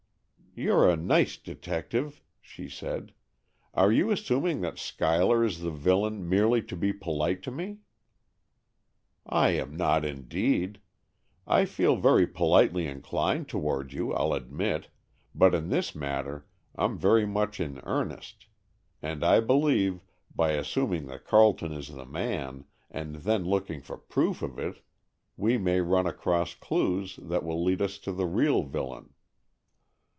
"You're a nice detective!" she said. "Are you assuming that Schuyler is the villain, merely to be polite to me?" "I am not, indeed! I feel very politely inclined toward you, I'll admit, but in this matter I'm very much in earnest. And I believe, by assuming that Carleton is the man, and then looking for proof of it, we may run across clues that will lead us to the real villain."